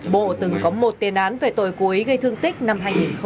bộ từng có một tiền án về tội cúi gây thương tích năm hai nghìn một mươi năm